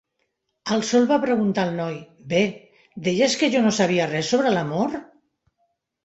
El sol va preguntar al noi: "Bé, deies que jo no sabia res sobre l'amor?"